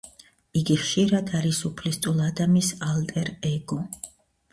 იგი ხშირად არის უფლისწულ ადამის ალტერ ეგო.